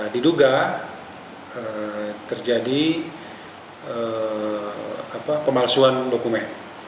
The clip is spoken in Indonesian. diduga terjadi pemalsuan dokumen itu dugaannya